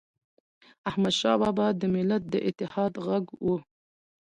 احمدشاه بابا د ملت د اتحاد ږغ و.